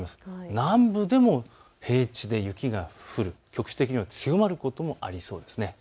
南部でも平地で雪が降る、局地的には強まることもありそうです。